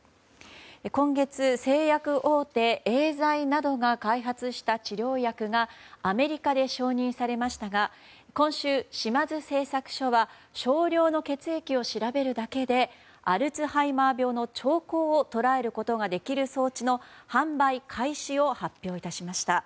今月、製薬大手エーザイなどが開発した治療薬がアメリカで承認されましたが今週、島津製作所は少量の血液を調べるだけでアルツハイマー病の兆候を捉えることができる装置の販売開始を発表致しました。